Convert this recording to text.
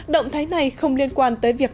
động thái này không liên quan tới việc